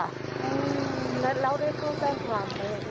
แล้วเข้าแจ้งความไหน